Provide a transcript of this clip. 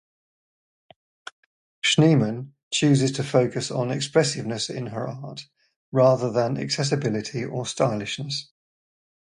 Schneemann chose to focus on expressiveness in her art rather than accessibility or stylishness.